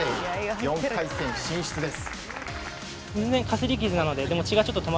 ４回戦進出です。